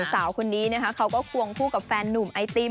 สาวคนนี้นะคะเขาก็ควงคู่กับแฟนหนุ่มไอติม